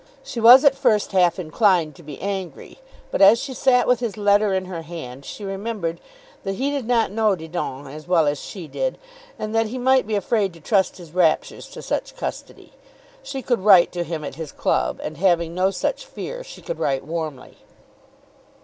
She was at first half inclined to be angry; but as she sat with his letter in her hand, she remembered that he did not know Didon as well as she did, and that he might be afraid to trust his raptures to such custody. She could write to him at his club, and having no such fear, she could write warmly.